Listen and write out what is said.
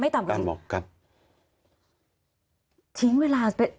ท่านบอกครับ